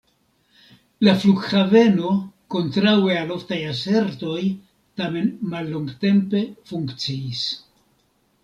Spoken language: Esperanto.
La flughaveno, kontraŭe al oftaj asertoj, tamen mallongtempe funkciis.